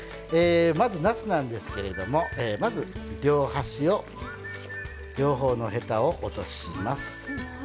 まずなすなんですけれどもまず両端を両方のヘタを落とします。